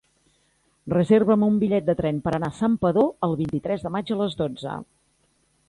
Reserva'm un bitllet de tren per anar a Santpedor el vint-i-tres de maig a les dotze.